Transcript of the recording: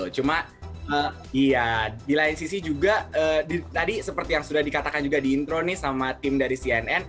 cuma ya di lain sisi juga tadi seperti yang sudah dikatakan juga diintro nih sama tim dari cnn